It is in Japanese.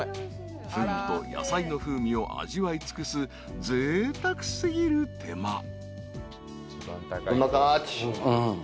［フグと野菜の風味を味わい尽くすぜいたく過ぎる手間］